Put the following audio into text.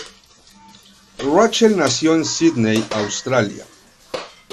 Rachael nació en Sídney, Australia.